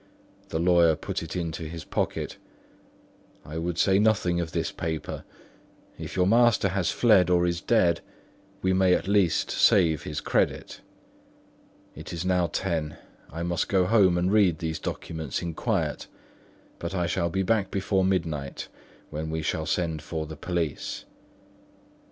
The lawyer put it in his pocket. "I would say nothing of this paper. If your master has fled or is dead, we may at least save his credit. It is now ten; I must go home and read these documents in quiet; but I shall be back before midnight, when we shall send for the police."